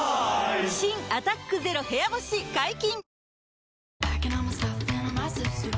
新「アタックＺＥＲＯ部屋干し」解禁‼